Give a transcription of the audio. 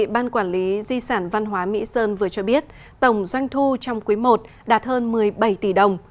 ban quản lý di sản văn hóa mỹ sơn vừa cho biết tổng doanh thu trong quý i đạt hơn một mươi bảy tỷ đồng